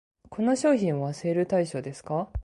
この商品はセール対象ですか？